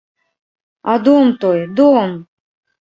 А дом той, дом!